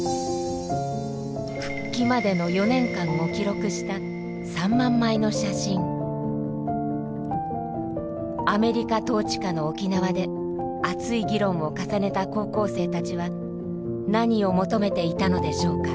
復帰までの４年間を記録したアメリカ統治下の沖縄で熱い議論を重ねた高校生たちは何を求めていたのでしょうか。